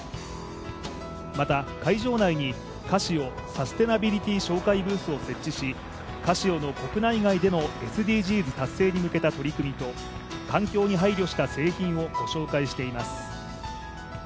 また会場内にカシオサステナビリティ紹介ブースを設置しカシオの国内外でのＳＤＧｓ達成に向けた取り組みと、環境に配慮した製品をご紹介しています。